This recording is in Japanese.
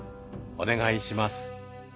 お願いします。